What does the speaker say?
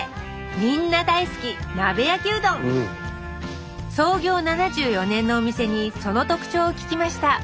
みんな大好き創業７４年のお店にその特徴を聞きました